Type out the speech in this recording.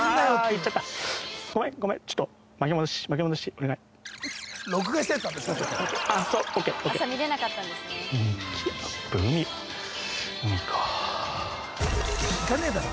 行かねだろ。